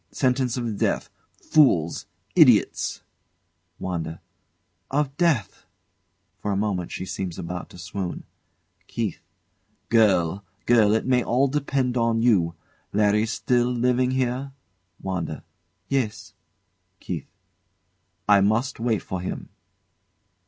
Sentence of death! Fools! idiots! WANDA. Of death! [For a moment she seems about to swoon.] KEITH. Girl! girl! It may all depend on you. Larry's still living here? WANDA. Yes. KEITH. I must wait for him.